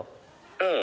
うん。